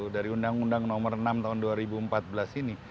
dari undang undang nomor enam tahun dua ribu empat belas ini